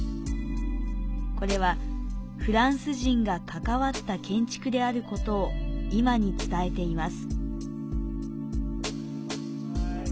これはフランス人が関わった建築であることを今に伝えています。